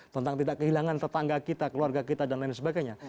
tentang tidak kehilangan tetangga kita keluarga kita dan lain sebagainya